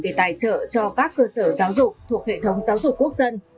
để tài trợ cho các cơ sở giáo dục thuộc hệ thống giáo dục quốc dân